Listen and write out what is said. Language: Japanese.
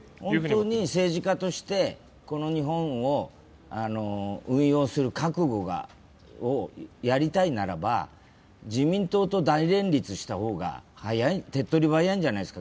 本当に政治家としてこの日本を運用する覚悟を、やりたいならば自民党と大連立した方が手っ取り早いんじゃないですか？